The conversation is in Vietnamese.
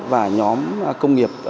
và nhóm công nghiệp